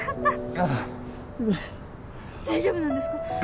大丈夫なんですか？